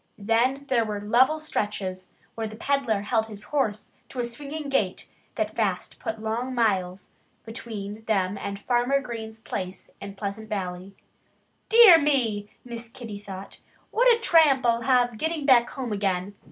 Then there were level stretches where the peddler held his horse to a swinging gait that fast put long miles between them and Farmer Green's place in Pleasant Valley. "Dear me!" Miss Kitty thought. "What a tramp I'll have getting back home again!"